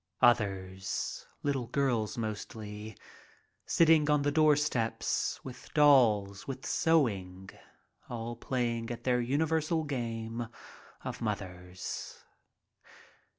Others, little girls mostly, sitting on the doorsteps, with dolls, with sewing, all playing at that uni versal game of "mothers."